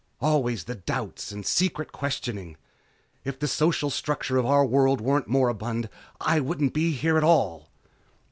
Always the doubts and secret questioning. If the social structure of our world weren't moribund, I wouldn't be here at all....